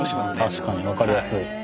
確かに分かりやすい。